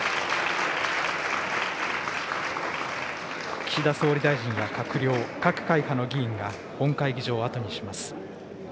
岸田総理大臣や閣僚、各会派の議員が本会議場を後にします。